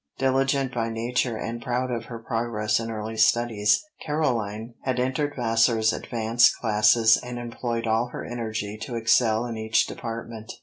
Diligent by nature and proud of her progress in early studies, Caroline had entered Vassar's advanced classes and employed all her energy to excel in each department.